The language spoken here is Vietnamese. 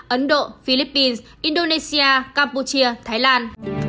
ấn độ philippines indonesia campuchia thái lan